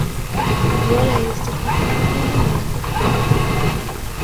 وَلَا يَسْتَنْكِفُ مِمَّا مُنِعَ